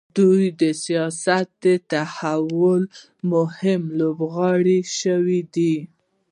دوی د سیاسي تحولاتو مهم لوبغاړي شوي دي.